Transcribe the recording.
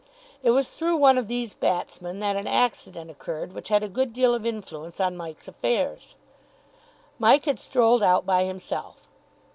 It was through one of these batsmen that an accident occurred which had a good deal of influence on Mike's affairs. Mike had strolled out by himself.